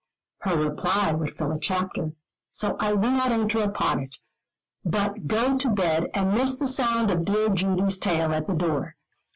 Her reply would fill a chapter, so I will not enter upon it, but go to bed and miss the sound of dear Judy's tail at the door.